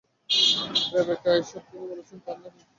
Rebecca এশার তিনি বলেছেন তিনি নাকি তার মৃত সন্তানকে দেখেছেন!